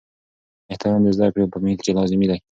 احترام د زده کړې په محیط کې لازمي دی.